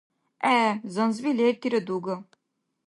ГӀе, занзби лертира дуга.